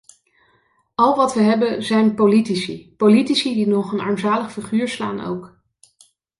Al wat we hebben zijn politici, politici die nog een armzalig figuur slaan ook.